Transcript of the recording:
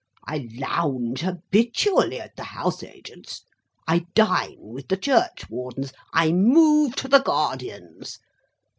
I lounge habitually at the House Agent's. I dine with the Churchwardens. I move to the Guardians.